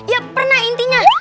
ya pernah intinya